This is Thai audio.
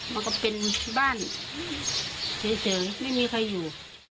มันก็เป็นบ้านเฉยไม่มีใครอยู่